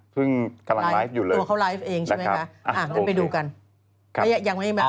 เพิ่งกำลังไลฟ์อยู่เลยนะคะโอเคอย่างนี้อ๋อยังไม่มา